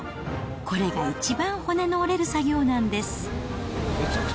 これが一番骨の折れる作業なんです。